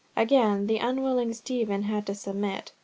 Again the unwilling Stephen had to submit.